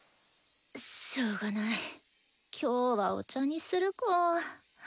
しょうがない今日はお茶にするか。